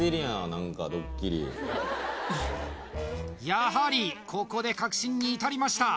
やはりここで確信に至りました